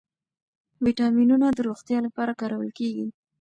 ویټامینونه د روغتیا لپاره کارول کېږي.